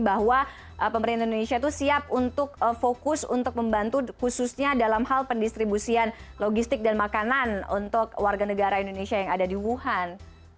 bahwa pemerintah indonesia itu siap untuk fokus untuk membantu khususnya dalam hal pendistribusian logistik dan makanan untuk warga negara indonesia yang ada di wuhan